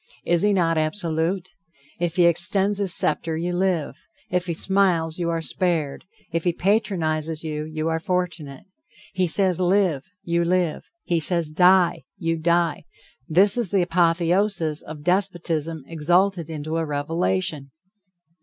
Is he not absolute? If he extends his scepter, you live; if he smiles you are spared; if he patronizes you, you are fortunate. He says, live! you live. He says, die! you die. This is the apotheosis of despotism exalted into a revelation.